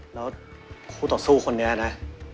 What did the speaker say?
แล้วคู่ต่อสู้คนนี้นะ